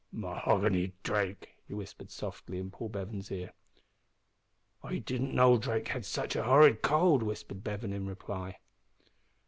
"M'ogany Drake!" he whispered, softly, in Paul Bevan's ear. "I didn't know Drake had sitch a horrid cold," whispered Bevan, in reply.